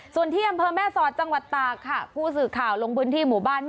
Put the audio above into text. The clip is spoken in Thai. ส่วนเที่ยงอำเภอแม่ซอดจังหวัดต่า